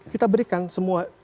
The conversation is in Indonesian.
kita berikan semua